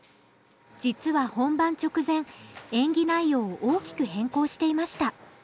実は本番直前演技内容を大きく変更していました。